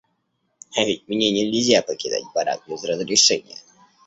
А ведь мне нельзя покидать барак без разрешения.